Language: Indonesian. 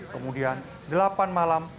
kemudian delapan malam